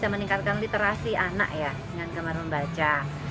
saya menekankan literasi anak ya dengan gemar membaca